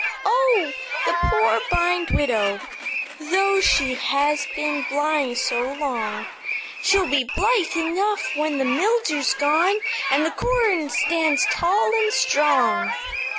"'Oh! the poor, blind widow, Though she has been blind so long, She'll be blithe enough when the mildew's gone, And the corn stands tall and strong.'